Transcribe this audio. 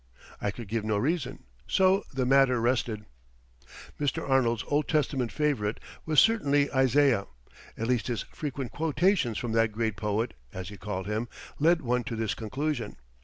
I could give no reason, so the matter rested. Mr. Arnold's Old Testament favorite was certainly Isaiah: at least his frequent quotations from that great poet, as he called him, led one to this conclusion.